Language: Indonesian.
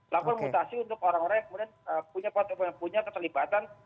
lakukan mutasi untuk orang orang yang punya kesehatan